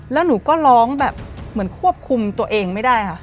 แล้วหนูก็ร้องแบบเหมือนควบคุมตัวเองไม่ได้ค่ะ